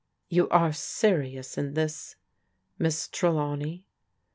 "You are serious in this. Miss Trelawney?"